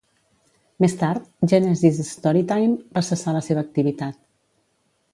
Més tard, Genesis Storytime va cessar la seva activitat.